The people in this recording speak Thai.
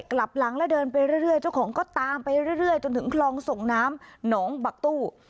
กลับหลังแล้วเดินไปเรื่อยเจ้าของก็ตามไปเรื่อยจนถึงคลองส่งน้ำหนองบักตู้